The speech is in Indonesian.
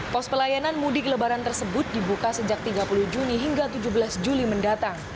pos pelayanan mudik lebaran tersebut dibuka sejak tiga puluh juni hingga tujuh belas juli mendatang